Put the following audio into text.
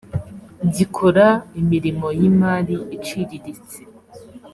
gikora imirimo y’imari iciriritse